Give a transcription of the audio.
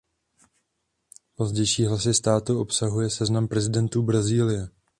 Pozdější hlavy státu obsahuje seznam prezidentů Brazílie.